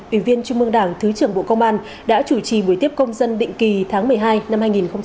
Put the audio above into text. ủy viên trung mương đảng thứ trưởng bộ công an đã chủ trì buổi tiếp công dân định kỳ tháng một mươi hai năm hai nghìn hai mươi